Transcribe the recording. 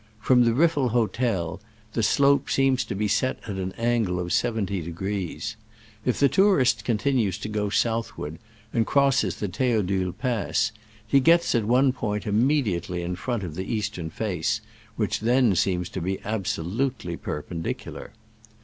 From the Riffel hotel the slope seems to be set at an angle of seventy degrees. If the tourist continues to go southward, and crosses the Theodule pass, he gets, at one point, immediately in front of the eastern face, which then seems to be absolutely per pendicular.